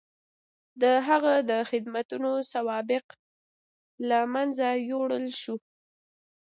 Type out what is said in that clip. د هغه د خدمتونو سوابق له منځه یووړل شول.